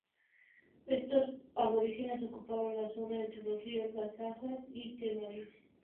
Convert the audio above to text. Estos aborígenes ocuparon la zona entre los ríos Lajas y Tenorio.